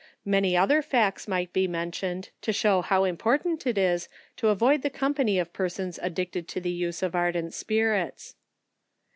Many other facts might be mentioned, to shew how important it is to avoid the com pany of persons addicted to the use of ardent spirits.